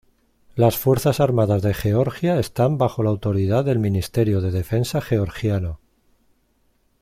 Las Fuerzas armadas de Georgia están bajo la autoridad del Ministerio de Defensa Georgiano.